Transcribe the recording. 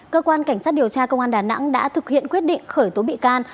cơ quan cảnh sát điều tra công an đà nẵng đã thực hiện quyết định khởi tố bị can